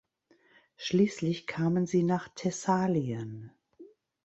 Schließlich kamen sie nach Thessalien.